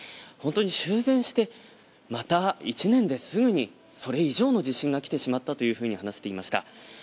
本当に修繕してまた１年ですぐにそれ以上の地震が来てしまったというふうに話していました。